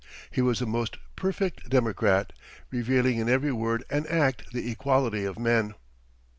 He was the most perfect democrat, revealing in every word and act the equality of men.